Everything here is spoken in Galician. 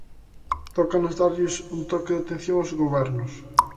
Tócanos darlles un toque de atención aos Gobernos.